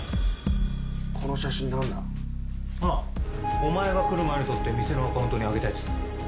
お前が来る前に撮って店のアカウントに上げたやつ。